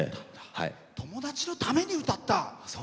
友達のために歌った。